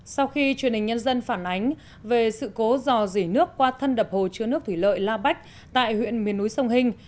sau khi truyền hình nhân dân phản ánh về sự cố dò dỉ nước qua thân đập hồ chứa nước thủy lợi la bách tại huyện miền núi sông hình